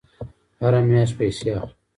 هره میاشت پیسې اخلم